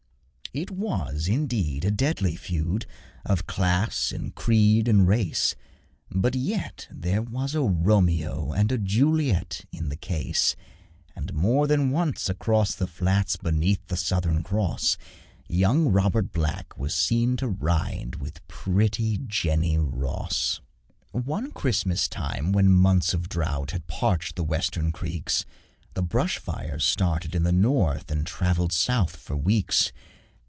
It was, indeed, a deadly feud Of class and creed and race; But, yet, there was a Romeo And a Juliet in the case; And more than once across the flats, Beneath the Southern Cross, Young Robert Black was seen to ride With pretty Jenny Ross. One Christmas time, when months of drought Had parched the western creeks, The bush fires started in the north And travelled south for weeks.